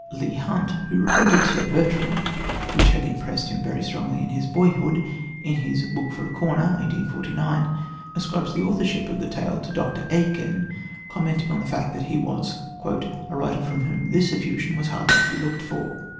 Leigh Hunt, who reprinted Sir Bertrand, which had impressed him very strongly in his boyhood, in his Book for a Corner (1849) ascribes the authorship of the tale to Dr. Aikin, commenting on the fact that he was "a writer from whom this effusion was hardly to have been looked for."